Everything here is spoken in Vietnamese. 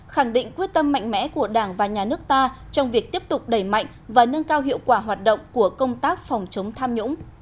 khẳng định quyết tâm mạnh mẽ của đảng và nhà nước ta trong việc tiếp tục đẩy mạnh và nâng cao hiệu quả hoạt động của công tác phòng chống tham nhũng